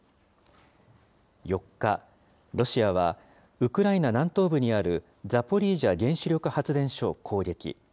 ４日、ロシアは、ウクライナ南東部にある、ザポリージャ原子力発電所を攻撃。